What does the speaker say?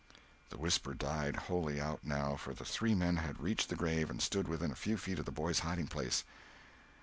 The whisper died wholly out, now, for the three men had reached the grave and stood within a few feet of the boys' hiding place.